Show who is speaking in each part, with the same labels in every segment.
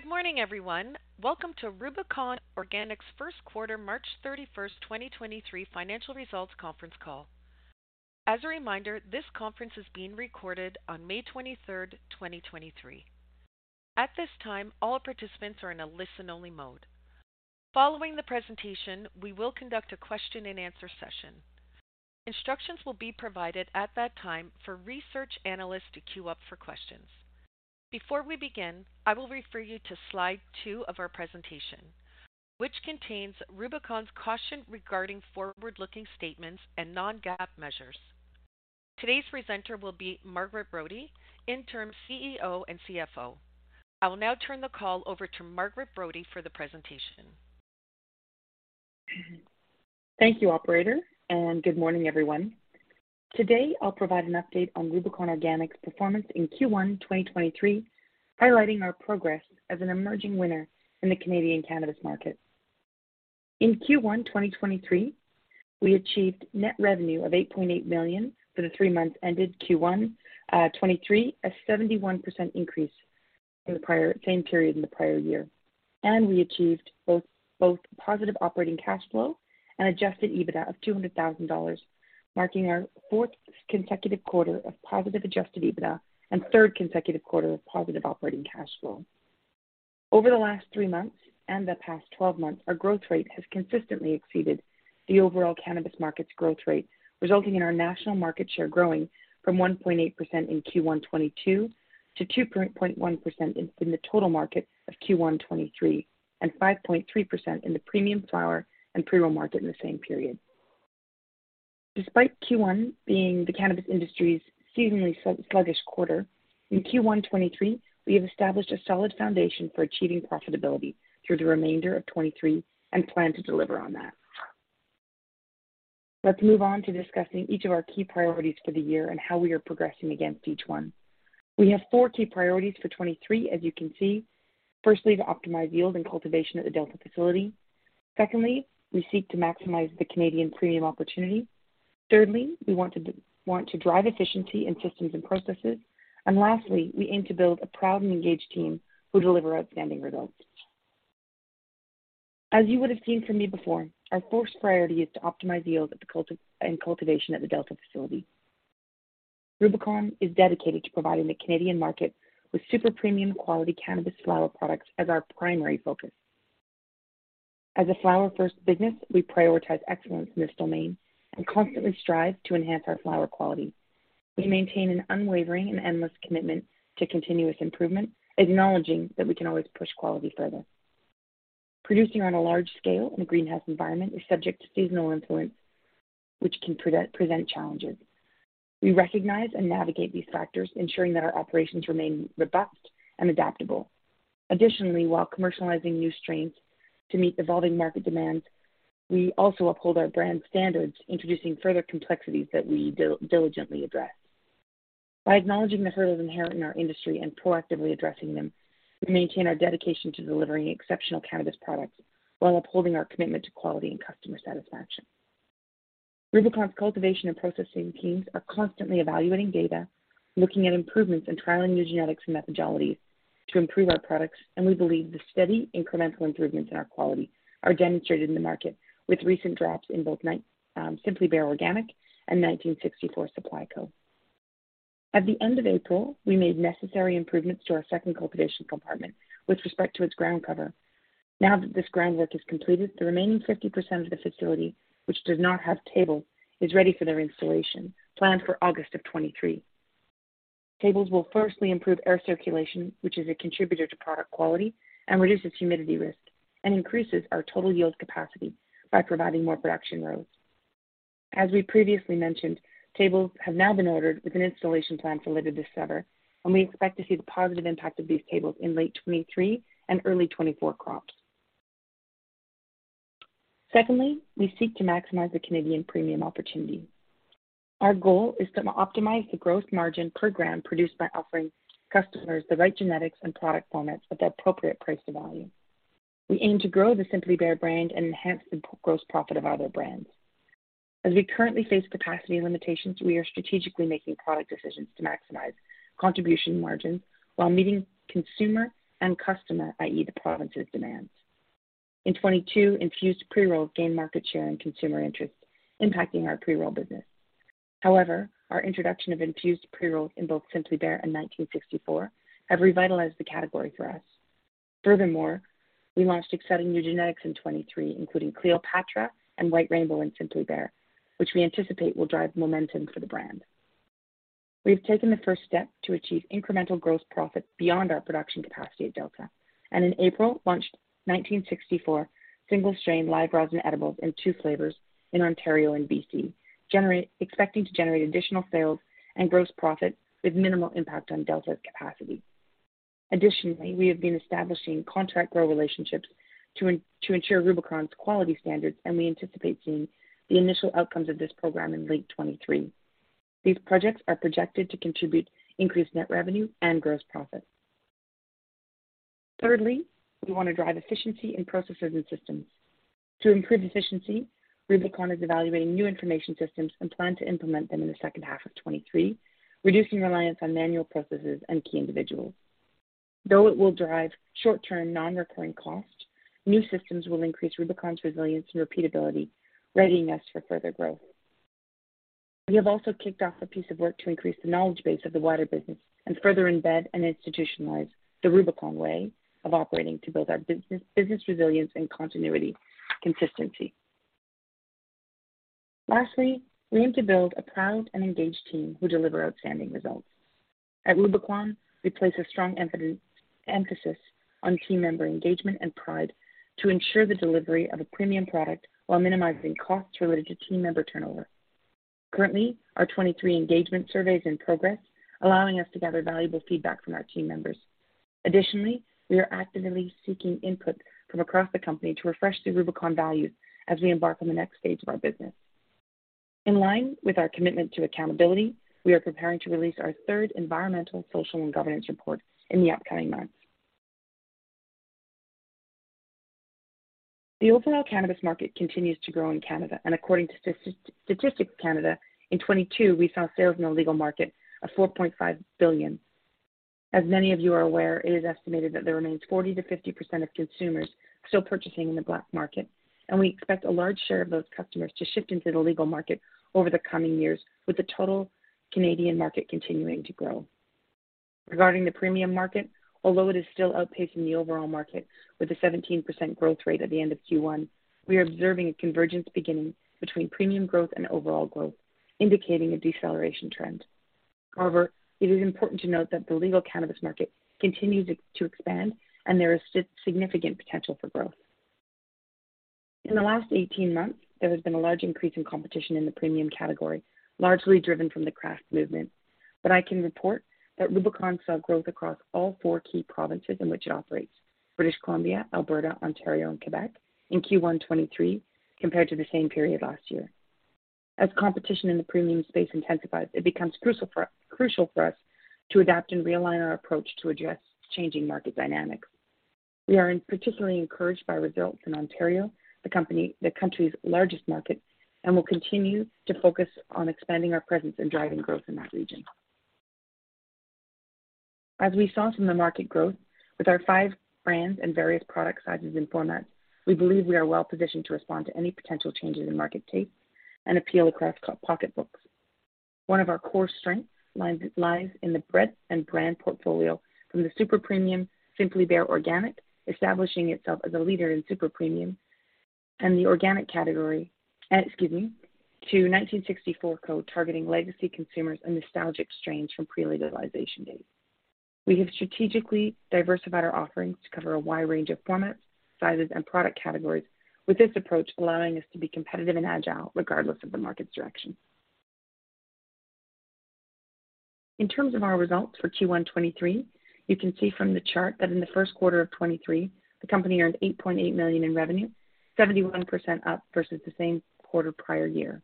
Speaker 1: Good morning, everyone. Welcome to Rubicon Organics' first quarter March 31st, 2023 financial results conference call. As a reminder, this conference is being recorded on May 23rd, 2023. At this time, all participants are in a listen-only mode. Following the presentation, we will conduct a question and answer session. Instructions will be provided at that time for research analysts to queue up for questions. Before we begin, I will refer you to slide two of our presentation, which contains Rubicon's caution regarding forward-looking statements and non-GAAP measures. Today's presenter will be Margaret Brodie, Interim CEO and CFO. I will now turn the call over to Margaret Brodie for the presentation.
Speaker 2: Thank you, operator, good morning, everyone. Today, I'll provide an update on Rubicon Organics' performance in Q1 2023, highlighting our progress as an emerging winner in the Canadian cannabis market. In Q1 2023, we achieved net revenue of $8.8 million for the three months ended Q1 2023, a 71% increase in the same period in the prior year. We achieved both positive operating cash flow and adjusted EBITDA of $200,000, marking our fourth consecutive quarter of positive adjusted EBITDA and third consecutive quarter of positive operating cash flow. Over the last three months and the past 12 months, our growth rate has consistently exceeded the overall cannabis market's growth rate, resulting in our national market share growing from 1.8% in Q1 2022 to 2.1% in the total market of Q1 2023 and 5.3% in the premium flower and pre-roll market in the same period. Despite Q1 being the cannabis industry's seasonally sluggish quarter, in Q1 2023, we have established a solid foundation for achieving profitability through the remainder of 2023 and plan to deliver on that. Let's move on to discussing each of our key priorities for the year and how we are progressing against each one. We have four key priorities for 2023, as you can see. Firstly, to optimize yield and cultivation at the Delta facility. Secondly, we seek to maximize the Canadian premium opportunity. Thirdly, we want to drive efficiency in systems and processes. Lastly, we aim to build a proud and engaged team who deliver outstanding results. As you would have seen from me before, our first priority is to optimize yield and cultivation at the Delta facility. Rubicon is dedicated to providing the Canadian market with super premium quality cannabis flower products as our primary focus. As a flower-first business, we prioritize excellence in this domain and constantly strive to enhance our flower quality. We maintain an unwavering and endless commitment to continuous improvement, acknowledging that we can always push quality further. Producing on a large scale in a greenhouse environment is subject to seasonal influence, which can present challenges. We recognize and navigate these factors, ensuring that our operations remain robust and adaptable. Additionally, while commercializing new strains to meet evolving market demands, we also uphold our brand standards, introducing further complexities that we diligently address. By acknowledging the hurdles inherent in our industry and proactively addressing them, we maintain our dedication to delivering exceptional cannabis products while upholding our commitment to quality and customer satisfaction. Rubicon's cultivation and processing teams are constantly evaluating data, looking at improvements, and trialing new genetics and methodologies to improve our products, and we believe the steady incremental improvements in our quality are demonstrated in the market with recent drops in both Simply Bare Organic and 1964 Supply Co. At the end of April, we made necessary improvements to our second cultivation compartment with respect to its ground cover. Now that this groundwork is completed, the remaining 50% of the facility, which does not have table, is ready for their installation, planned for August of 2023. Tables will firstly improve air circulation, which is a contributor to product quality and reduces humidity risk and increases our total yield capacity by providing more production rows. As we previously mentioned, tables have now been ordered with an installation plan for later this summer, and we expect to see the positive impact of these tables in late 2023 and early 2024 crops. Secondly, we seek to maximize the Canadian premium opportunity. Our goal is to optimize the growth margin per gram produced by offering customers the right genetics and product formats at the appropriate price to volume. We aim to grow the Simply Bare brand and enhance the gross profit of other brands. As we currently face capacity limitations, we are strategically making product decisions to maximize contribution margins while meeting consumer and customer, i.e., the provinces demands. In 2022, infused pre-rolls gained market share and consumer interest impacting our pre-roll business. However, our introduction of infused pre-rolls in both Simply Bare and 1964 have revitalized the category for us. Furthermore, we launched exciting new genetics in 2023, including Cleopatra and White Rainbow in Simply Bare, which we anticipate will drive momentum for the brand. We have taken the first step to achieve incremental gross profit beyond our production capacity at Delta, and in April, launched 1964 single-strain live rosin edibles in two flavors in Ontario and BC, expecting to generate additional sales and gross profit with minimal impact on Delta's capacity. Additionally, we have been establishing contract grow relationships to ensure Rubicon's quality standards, and we anticipate seeing the initial outcomes of this program in late 2023. These projects are projected to contribute increased net revenue and gross profit. Thirdly, we want to drive efficiency in processes and systems. To improve efficiency, Rubicon is evaluating new information systems and plan to implement them in the second half of 2023, reducing reliance on manual processes and key individuals. Though it will drive short-term non-recurring costs, new systems will increase Rubicon's resilience and repeatability, readying us for further growth. We have also kicked off a piece of work to increase the knowledge base of the wider business and further embed and institutionalize the Rubicon way of operating to build our business resilience and continuity consistency. Lastly, we aim to build a proud and engaged team who deliver outstanding results. At Rubicon, we place a strong emphasis on team member engagement and pride to ensure the delivery of a premium product while minimizing costs related to team member turnover. Currently, our 23 engagement survey is in progress, allowing us to gather valuable feedback from our team members. Additionally, we are actively seeking input from across the company to refresh the Rubicon values as we embark on the next stage of our business. In line with our commitment to accountability, we are preparing to release our third environmental, social, and governance report in the upcoming months. The overall cannabis market continues to grow in Canada. According to Statistics Canada, in 2022 we saw sales in the legal market of $4.5 billion. As many of you are aware, it is estimated that there remains 40% to 50% of consumers still purchasing in the black market. We expect a large share of those customers to shift into the legal market over the coming years with the total Canadian market continuing to grow. Regarding the premium market, although it is still outpacing the overall market with a 17% growth rate at the end of Q1, we are observing a convergence beginning between premium growth and overall growth, indicating a deceleration trend. It is important to note that the legal cannabis market continues to expand. There is significant potential for growth. In the last 18 months, there has been a large increase in competition in the premium category, largely driven from the craft movement. I can report that Rubicon saw growth across all four key provinces in which it operates, British Columbia, Alberta, Ontario, and Quebec in Q1 2023, compared to the same period last year. As competition in the premium space intensifies, it becomes crucial for us to adapt and realign our approach to address changing market dynamics. We are particularly encouraged by results in Ontario, the country's largest market, and will continue to focus on expanding our presence and driving growth in that region. As we saw from the market growth with our five brands and various product sizes and formats, we believe we are well-positioned to respond to any potential changes in market taste and appeal to craft pocketbooks. One of our core strengths lies in the breadth and brand portfolio from the super-premium Simply Bare Organic, establishing itself as a leader in super-premium in the organic category. Excuse me, to 1964 Co, targeting legacy consumers and nostalgic strains from pre-legalization days. We have strategically diversified our offerings to cover a wide range of formats, sizes, and product categories, with this approach allowing us to be competitive and agile regardless of the market's direction. In terms of our results for Q1 2023, you can see from the chart that in the first quarter of 2023 the company earned $8.8 million in revenue, 71% up versus the same quarter prior year.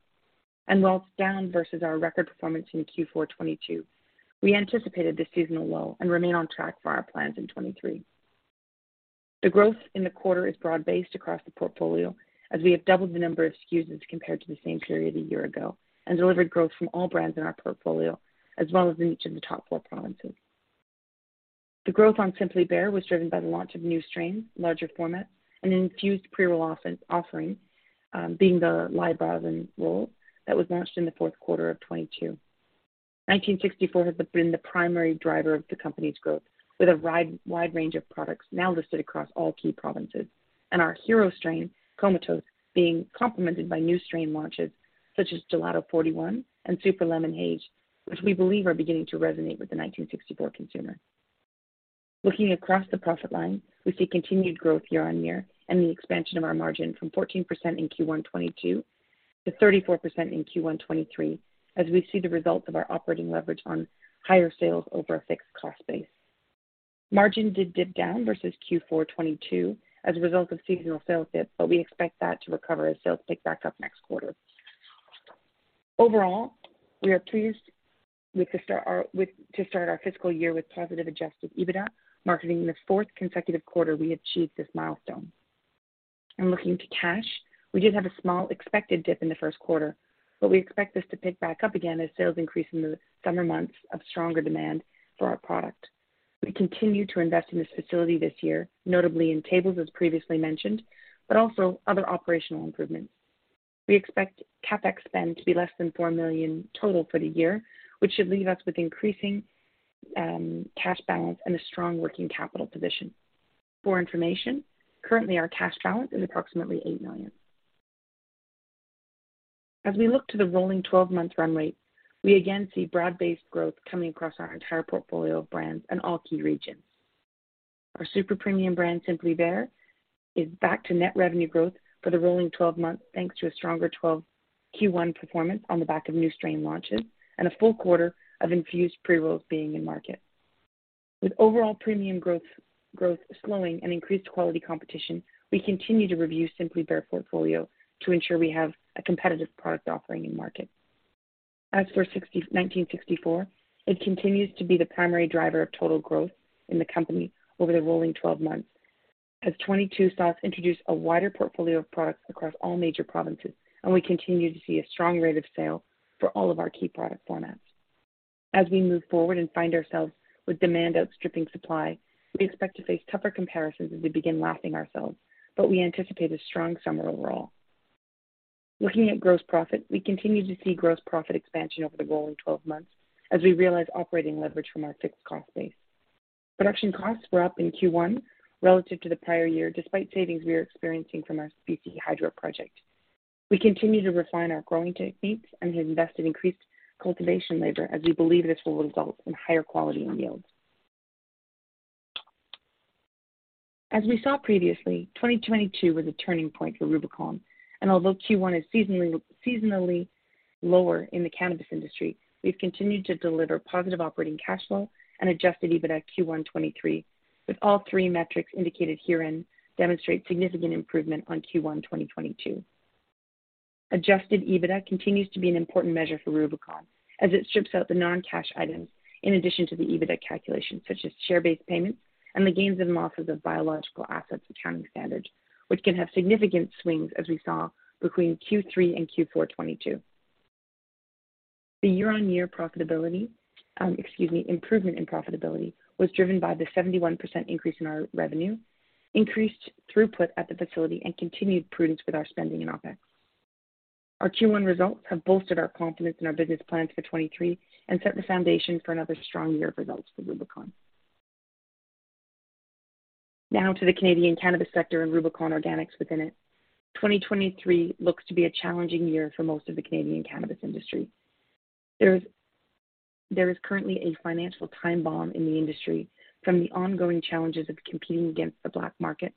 Speaker 2: Whilst down versus our record performance in Q4 2022, we anticipated the seasonal low and remain on track for our plans in 2023. The growth in the quarter is broad-based across the portfolio as we have doubled the number of SKUs as compared to the same period a year ago, and delivered growth from all brands in our portfolio as well as in each of the top four provinces. The growth on Simply Bare was driven by the launch of new strains, larger formats, and infused pre-roll offering, being the live resin roll that was launched in the fourth quarter of 2022. 1964 has been the primary driver of the company's growth, with a wide range of products now listed across all key provinces, and our hero strain, Comatose, being complemented by new strain launches such as Gelato 41 and Super Lemon Haze, which we believe are beginning to resonate with the 1964 consumer. Looking across the profit line, we see continued growth year-on-year and the expansion of our margin from 14% in Q1 2022 to 34% in Q1 2023 as we see the results of our operating leverage on higher sales over a fixed cost base. Margin did dip down versus Q4 2022 as a result of seasonal sales dip, but we expect that to recover as sales pick back up next quarter. Overall, we are pleased to start our fiscal year with positive adjusted EBITDA, marketing the fourth consecutive quarter we achieved this milestone. Looking to cash, we did have a small expected dip in the first quarter, but we expect this to pick back up again as sales increase in the summer months of stronger demand for our product. We continue to invest in this facility this year, notably in tables as previously mentioned, but also other operational improvements. We expect CapEx spend to be less than $4 million total for the year, which should leave us with increasing cash balance and a strong working capital position. For information, currently our cash balance is approximately $8 million. As we look to the rolling 12-month run rate, we again see broad-based growth coming across our entire portfolio of brands in all key regions. Our super-premium brand, Simply Bare, is back to net revenue growth for the rolling 12 months, thanks to a stronger Q1 performance on the back of new strain launches and a full quarter of infused pre-rolls being in market. With overall premium growth slowing and increased quality competition, we continue to review Simply Bare portfolio to ensure we have a competitive product offering in market. As for 60], 1964, it continues to be the primary driver of total growth in the company over the rolling 12 months as 22 stocks introduce a wider portfolio of products across all major provinces, and we continue to see a strong rate of sale for all of our key product formats. As we move forward and find ourselves with demand outstripping supply, we expect to face tougher comparisons as we begin lapping ourselves, but we anticipate a strong summer overall. Looking at gross profit, we continue to see gross profit expansion over the rolling 12 months as we realize operating leverage from our fixed cost base. Production costs were up in Q1 relative to the prior year, despite savings we are experiencing from our BC Hydro project. We continue to refine our growing techniques and have invested increased cultivation labor as we believe this will result in higher quality and yields. As we saw previously, 2022 was a turning point for Rubicon, and although Q1 is seasonally lower in the cannabis industry, we've continued to deliver positive operating cash flow and adjusted EBITDA Q1 2023, with all three metrics indicated herein demonstrate significant improvement on Q1 2022. Adjusted EBITDA continues to be an important measure for Rubicon as it strips out the non-cash items in addition to the EBITDA calculation, such as share-based payments and the gains and losses of biological assets accounting standards, which can have significant swings, as we saw between Q3 and Q4 2022. The year-on-year profitability, excuse me, improvement in profitability was driven by the 71% increase in our revenue, increased throughput at the facility, and continued prudence with our spending in OpEx. Our Q1 results have bolstered our confidence in our business plans for 23 and set the foundation for another strong year of results for Rubicon. Now to the Canadian cannabis sector and Rubicon Organics within it. 2023 looks to be a challenging year for most of the Canadian cannabis industry. There is currently a financial time bomb in the industry from the ongoing challenges of competing against the black market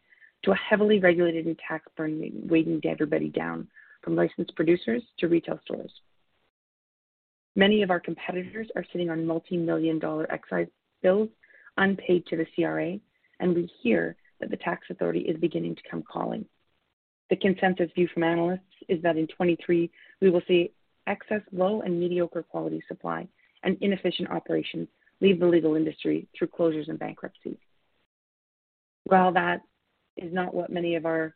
Speaker 2: to a heavily regulated and tax burden weighing everybody down, from Licensed Producers to retail stores. Many of our competitors are sitting on multi-million dollar excise bills unpaid to the CRA, and we hear that the tax authority is beginning to come calling. The consensus view from analysts is that in 2023 we will see excess low and mediocre quality supply and inefficient operations leave the legal industry through closures and bankruptcies. While that is not what many of our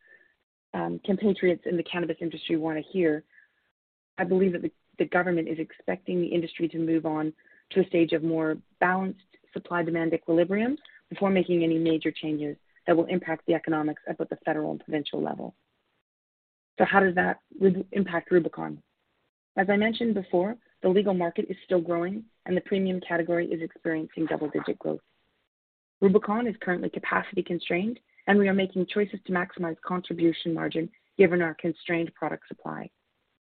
Speaker 2: compatriots in the cannabis industry want to hear, I believe that the government is expecting the industry to move on to a stage of more balanced supply-demand equilibrium before making any major changes that will impact the economics at both the federal and provincial level. How does that impact Rubicon? As I mentioned before, the legal market is still growing and the premium category is experiencing double-digit growth. Rubicon is currently capacity constrained, and we are making choices to maximize contribution margin given our constrained product supply.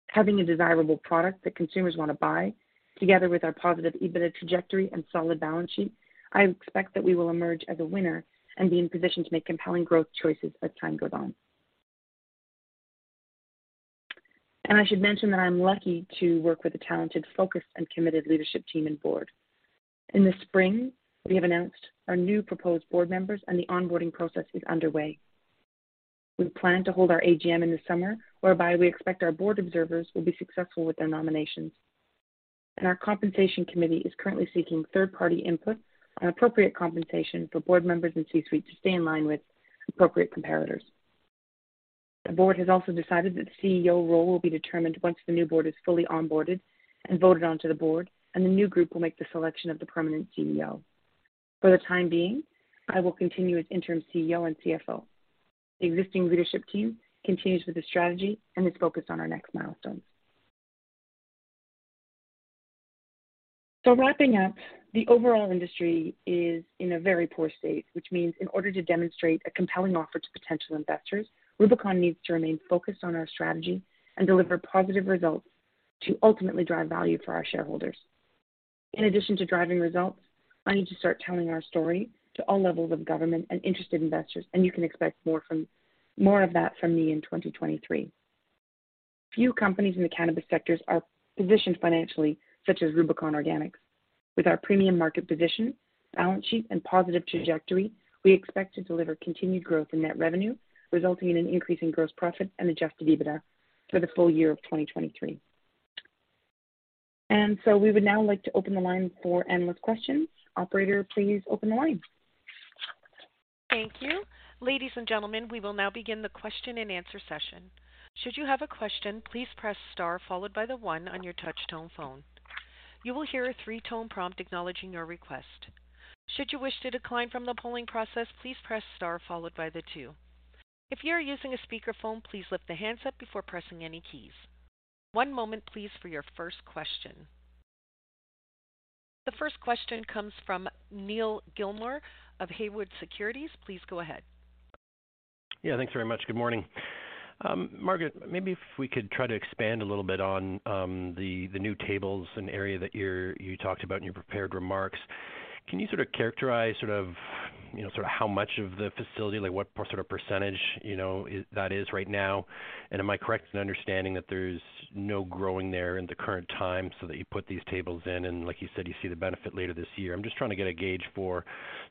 Speaker 2: Having a desirable product that consumers want to buy, together with our positive EBITDA trajectory and solid balance sheet, I expect that we will emerge as a winner and be in position to make compelling growth choices as time goes on. I should mention that I'm lucky to work with a talented, focused, and committed leadership team and board. In the spring, we have announced our new proposed board members and the onboarding process is underway. We plan to hold our AGM in the summer, whereby we expect our board observers will be successful with their nominations. Our compensation committee is currently seeking third-party input on appropriate compensation for board members and C-suite to stay in line with appropriate comparators. The board has also decided that the CEO role will be determined once the new board is fully onboarded and voted onto the board, and the new group will make the selection of the permanent CEO. For the time being, I will continue as interim CEO and CFO. The existing leadership team continues with the strategy and is focused on our next milestones. Wrapping up, the overall industry is in a very poor state, which means in order to demonstrate a compelling offer to potential investors, Rubicon needs to remain focused on our strategy and deliver positive results to ultimately drive value for our shareholders. In addition to driving results, I need to start telling our story to all levels of government and interested investors. You can expect more of that from me in 2023. Few companies in the cannabis sectors are positioned financially such as Rubicon Organics. With our premium market position, balance sheet, and positive trajectory, we expect to deliver continued growth in net revenue, resulting in an increase in gross profit and adjusted EBITDA for the full year of 2023. We would now like to open the line for analyst questions. Operator, please open the line.
Speaker 1: Thank you. Ladies and gentlemen, we will now begin the question-and-answer session. Should you have a question, please press star followed by one on your touchtone phone. You will hear a 3-tone prompt acknowledging your request. Should you wish to decline from the polling process, please press star followed by two. If you are using a speakerphone, please lift the handset before pressing any keys. One moment please for your first question. The first question comes from Neal Gilmer of Haywood Securities. Please go ahead.
Speaker 3: Yeah, thanks very much. Good morning. Margaret, maybe if we could try to expand a little bit on the new tables, an area that you talked about in your prepared remarks. Can you sort of characterize, you know, how much of the facility, like what sort of percentage, you know, that is right now? Am I correct in understanding that there's no growing there in the current time so that you put these tables in and, like you said, you see the benefit later this year? I'm just trying to get a gauge for.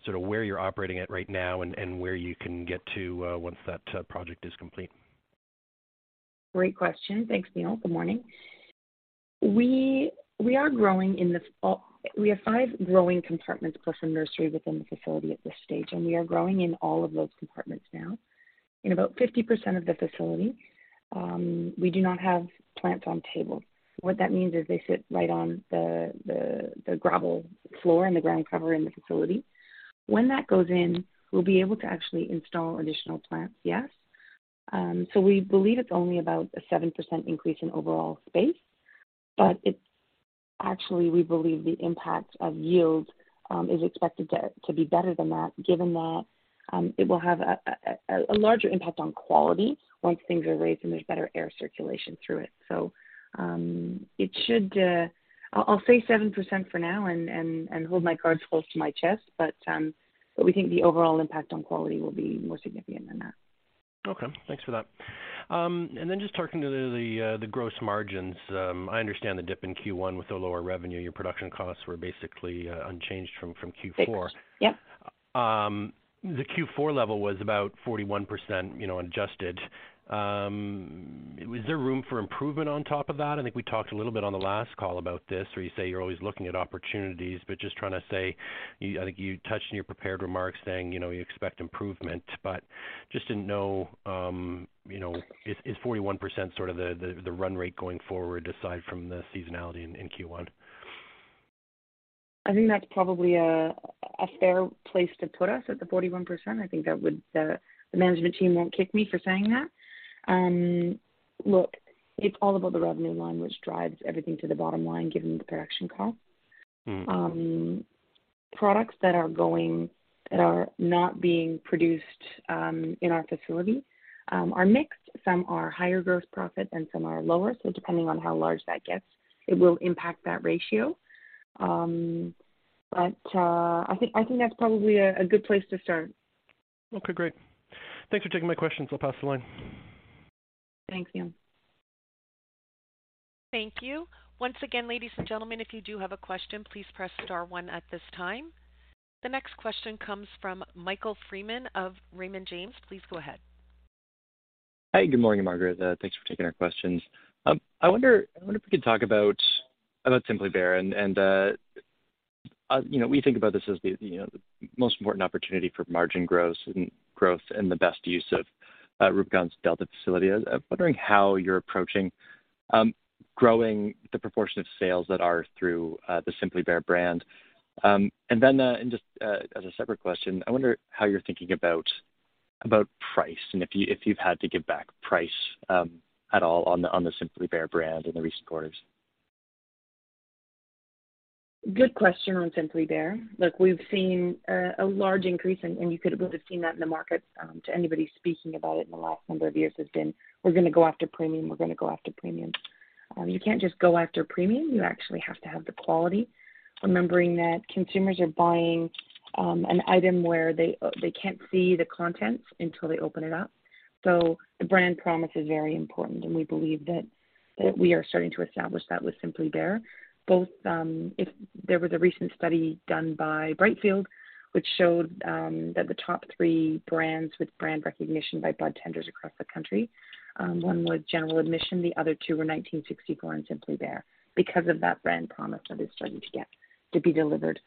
Speaker 3: Sort of where you're operating at right now and where you can get to, once that project is complete.
Speaker 2: Great question. Thanks, Neal. Good morning. We are growing. We have five growing compartments plus a nursery within the facility at this stage. We are growing in all of those compartments now. In about 50% of the facility, we do not have plants on table. What that means is they sit right on the gravel floor and the ground cover in the facility. When that goes in, we'll be able to actually install additional plants. Yes. We believe it's only about a 7% increase in overall space, actually, we believe the impact of yield is expected to be better than that, given that it will have a larger impact on quality once things are raised and there's better air circulation through it. It should I'll say 7% for now and hold my cards close to my chest. We think the overall impact on quality will be more significant than that.
Speaker 3: Okay. Thanks for that. Just talking to the gross margins, I understand the dip in Q1 with the lower revenue, your production costs were basically unchanged from Q4.
Speaker 2: Fixed. Yep.
Speaker 3: The Q4 level was about 41%, you know, adjusted. Is there room for improvement on top of that? I think we talked a little bit on the last call about this, where you say you're always looking at opportunities, but just trying to say, I think you touched in your prepared remarks saying, you know, you expect improvement, but just to know, you know, is 41% sort of the run rate going forward aside from the seasonality in Q1?
Speaker 2: I think that's probably a fair place to put us at the 41%. I think that would the management team won't kick me for saying that. Look, it's all about the revenue line, which drives everything to the bottom line, given the production cost.
Speaker 3: Mm-hmm.
Speaker 2: Products that are going, that are not being produced, in our facility, are mixed. Some are higher gross profit and some are lower. Depending on how large that gets, it will impact that ratio. I think that's probably a good place to start.
Speaker 3: Okay, great. Thanks for taking my questions. I'll pass the line.
Speaker 2: Thanks, Neal.
Speaker 1: Thank you. Once again, ladies and gentlemen, if you do have a question, please press star one at this time. The next question comes from Michael Freeman of Raymond James. Please go ahead.
Speaker 4: Hi, good morning, Margaret. Thanks for taking our questions. I wonder if you could talk about Simply Bare, and, you know, we think about this as the, you know, the most important opportunity for margin growth and the best use of Rubicon's Delta facility. I'm wondering how you're approaching growing the proportion of sales that are through the Simply Bare brand. As a separate question, I wonder how you're thinking about price and if you've had to give back price at all on the Simply Bare brand in the recent quarters.
Speaker 2: Good question on Simply Bare. Look, we've seen a large increase, and you could have seen that in the market, to anybody speaking about it in the last number of years has been, we're gonna go after premium, we're gonna go after premium. You can't just go after premium, you actually have to have the quality. Remembering that consumers are buying an item where they can't see the contents until they open it up. The brand promise is very important, and we believe that we are starting to establish that with Simply Bare. Both, if there was a recent study done by Brightfield, which showed that the top three brands with brand recognition by budtenders across the country, one was General Admission, the other two were 1964 and Simply Bare because of that brand promise that is starting to get to be delivered.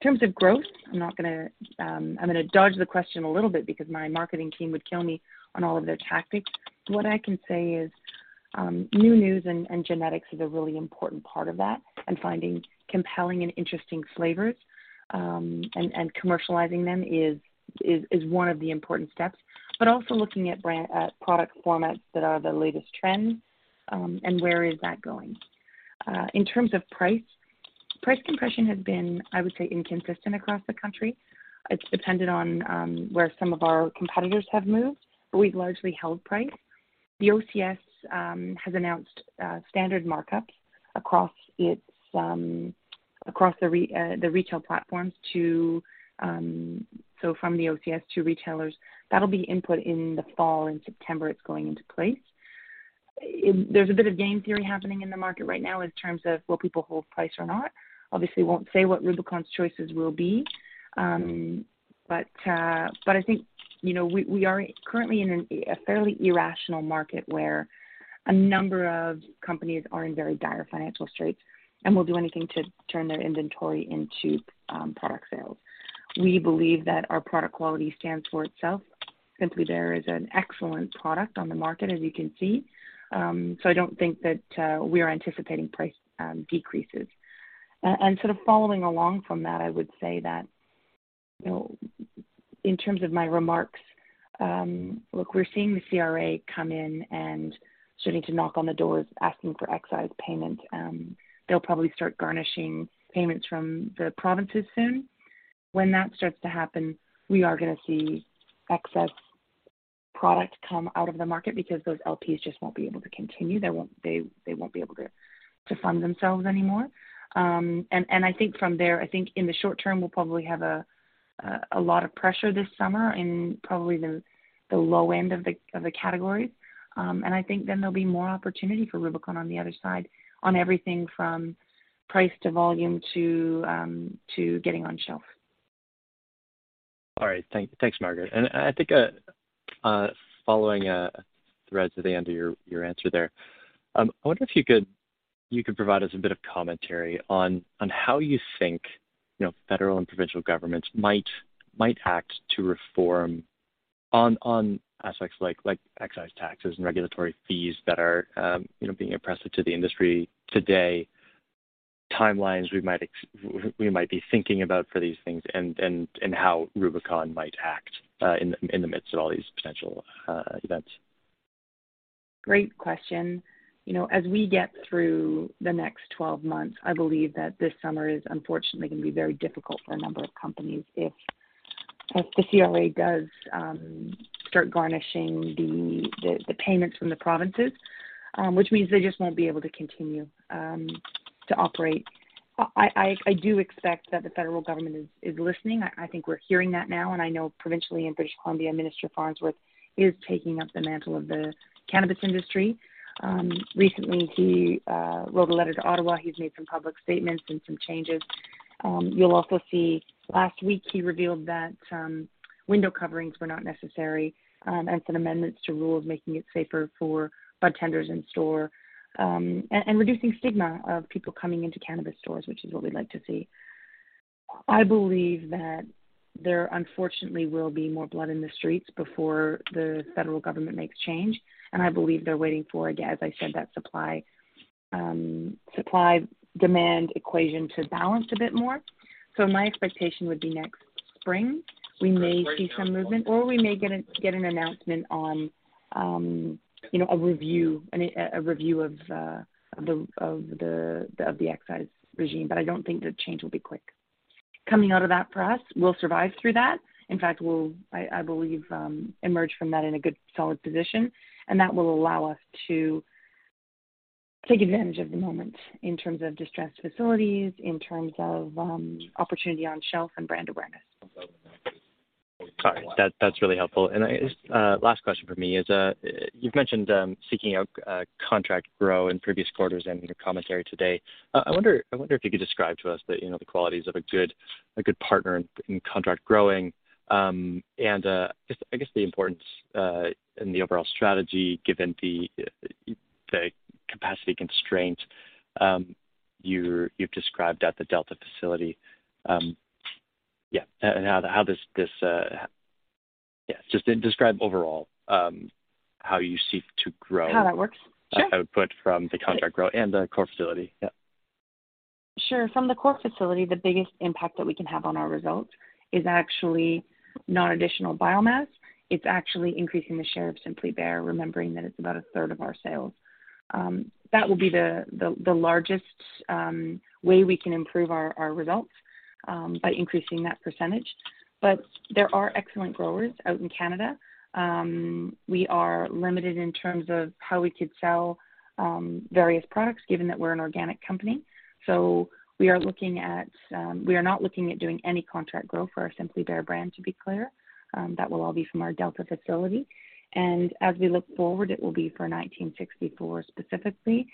Speaker 2: In terms of growth, I'm not gonna, I'm gonna dodge the question a little bit because my marketing team would kill me on all of their tactics. What I can say is, new news and genetics is a really important part of that, and finding compelling and interesting flavors, and commercializing them is one of the important steps. Also looking at brand, at product formats that are the latest trends, and where is that going. In terms of price compression has been, I would say, inconsistent across the country. It's depended on where some of our competitors have moved, but we've largely held price. The OCS has announced standard markups across its across the retail platforms to, so from the OCS to retailers. That'll be input in the fall. In September, it's going into place. There's a bit of game theory happening in the market right now in terms of will people hold price or not. Obviously, won't say what Rubicon's choices will be. I think, you know, we are currently in a fairly irrational market where a number of companies are in very dire financial straits and will do anything to turn their inventory into product sales. We believe that our product quality stands for itself. Simply Bare is an excellent product on the market, as you can see. I don't think that we are anticipating price decreases. Sort of following along from that, I would say that, you know, in terms of my remarks, look, we're seeing the CRA come in and starting to knock on the doors asking for excise payment. They'll probably start garnishing payments from the provinces soon. When that starts to happen, we are gonna see excess product come out of the market because those LPs just won't be able to continue. They won't be able to fund themselves anymore. I think from there, I think in the short term, we'll probably have a lot of pressure this summer in probably the low end of the categories. I think then there'll be more opportunity for Rubicon on the other side on everything from price to volume to to getting on shelf.
Speaker 4: All right. Thanks, Margaret. I think, following threads at the end of your answer there, I wonder if you could provide us a bit of commentary on how you think, you know, federal and provincial governments might act to reform on aspects like excise taxes and regulatory fees that are, you know, being oppressive to the industry today, timelines we might be thinking about for these things and how Rubicon might act in the midst of all these potential events.
Speaker 2: Great question. You know, as we get through the next 12 months, I believe that this summer is unfortunately going to be very difficult for a number of companies if the CRA does start garnishing the payments from the provinces, which means they just won't be able to continue to operate. I do expect that the federal government is listening. I think we're hearing that now, and I know provincially in British Columbia, Minister Farnworth is taking up the mantle of the cannabis industry. Recently, he wrote a letter to Ottawa. He's made some public statements and some changes. You'll also see last week he revealed that window coverings were not necessary, and some amendments to rules making it safer for budtenders in store, and reducing stigma of people coming into cannabis stores, which is what we'd like to see. I believe that there unfortunately will be more blood in the streets before the federal government makes change, and I believe they're waiting for, again, as I said, that supply-demand equation to balance a bit more. My expectation would be next spring, we may see some movement, or we may get an announcement on, you know, a review, a review of the excise regime, but I don't think the change will be quick. Coming out of that, for us, we'll survive through that. In fact, we'll, I believe, emerge from that in a good solid position. That will allow us to take advantage of the moment in terms of distressed facilities, in terms of opportunity on shelf and brand awareness.
Speaker 4: Sorry. That's really helpful. I guess, last question from me is, you've mentioned seeking out contract grow in previous quarters and in your commentary today. I wonder if you could describe to us, you know, the qualities of a good partner in contract growing, and I guess the importance in the overall strategy, given the capacity constraints you've described at the Delta facility. Yeah, how this, yeah. Just describe overall how you seek to grow-
Speaker 2: How that works? Sure.
Speaker 4: the output from the contract grow and the core facility. Yeah.
Speaker 2: Sure. From the core facility, the biggest impact that we can have on our results is actually not additional biomass. It's actually increasing the share of Simply Bare, remembering that it's about 1/3 of our sales. That will be the largest way we can improve our results by increasing that percentage. There are excellent growers out in Canada. We are limited in terms of how we could sell various products given that we're an organic company. We are looking at, we are not looking at doing any contract grow for our Simply Bare brand, to be clear. That will all be from our Delta facility. As we look forward, it will be for 1964 specifically.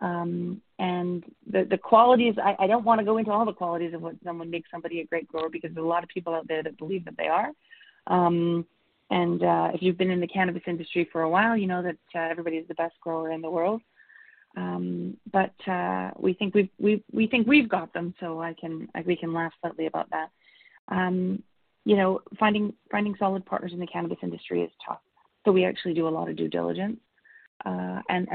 Speaker 2: The qualities I don't want to go into all the qualities of what someone makes somebody a great grower because there's a lot of people out there that believe that they are. If you've been in the cannabis industry for a while, you know that everybody's the best grower in the world. We think we've got them, so I can, we can laugh slightly about that. You know, finding solid partners in the cannabis industry is tough, so we actually do a lot of due diligence.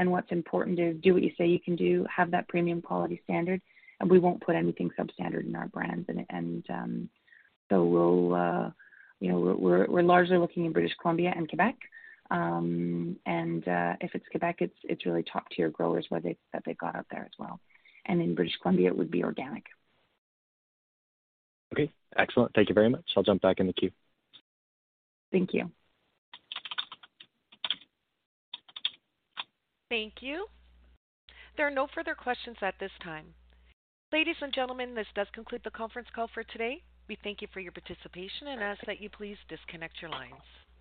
Speaker 2: What's important is do what you say you can do, have that premium quality standard, and we won't put anything substandard in our brands. We'll, you know, we're largely looking in British Columbia and Quebec. If it's Quebec, it's really top-tier growers where they, that they've got out there as well. In British Columbia, it would be organic.
Speaker 4: Okay, excellent. Thank you very much. I'll jump back in the queue.
Speaker 2: Thank you.
Speaker 1: Thank you. There are no further questions at this time. Ladies and gentlemen, this does conclude the conference call for today. We thank you for your participation and ask that you please disconnect your lines.